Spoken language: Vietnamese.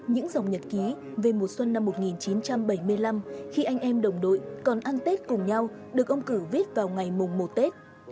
những dòng nhật ký về mùa xuân năm một nghìn chín trăm bảy mươi năm khi anh em đồng đội còn ăn tết cùng nhau được ông cử viết vào ngày mùng một tết